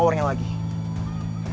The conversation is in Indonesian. semua pelanggan ga percaya sama dia